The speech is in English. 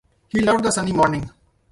He loved the sunny morning.